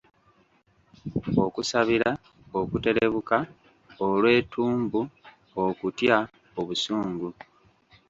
Okusabira, okuterebuka, olwetumbu, okutya, obusungu